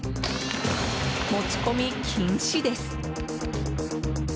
持ち込み禁止です。